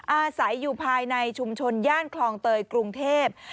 อาศัยอยู่ภายในชุมชนย่านคลองเตยกรุงเทพ